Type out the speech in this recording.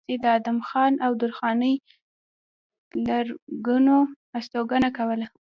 د ادم خان او درخانۍ پلرګنو استوګنه کوله